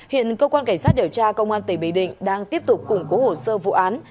hiện cơ quan cảnh sát điều tra công an tỉnh bình định đang tiếp tục củng cố hồ sơ vụ án